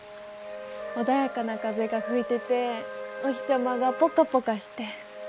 穏やかな風が吹いててお日さまがポカポカして。